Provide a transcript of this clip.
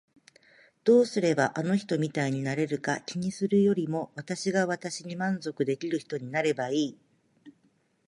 どうすればあの人みたいになれるか気にするよりも私が私に満足できる人になればいい。